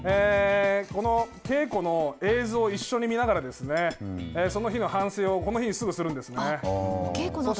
稽古の映像を一緒に見ながらその日の反省をこの日にすぐするんですね。